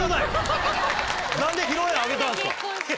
何で披露宴挙げたんですか？